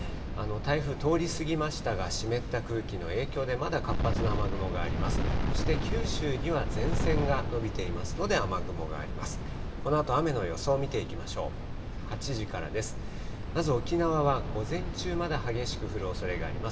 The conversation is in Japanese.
台風、通り過ぎましたが、湿った空気の影響でまだ活発な雨雲があります。